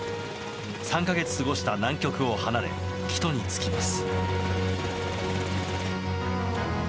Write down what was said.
３か月過ごした南極を離れ帰途に就きます。